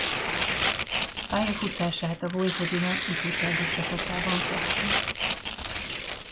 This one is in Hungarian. Pályafutását a Vojvodina ifjúsági csapatában kezdte.